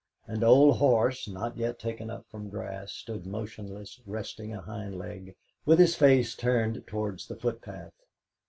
An old horse, not yet taken up from grass, stood motionless, resting a hind leg, with his face turned towards the footpath.